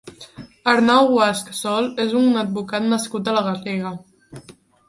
Arnau Guasch Sol és un advocat nascut a la Garriga.